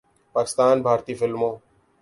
پاکستان، بھارتی فلموں